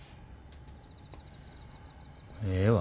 ええわ。